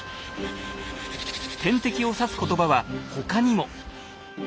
天敵を指す言葉は他にも。